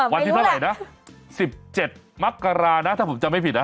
วันที่เท่าไหร่นะ๑๗มกรานะถ้าผมจำไม่ผิดนะ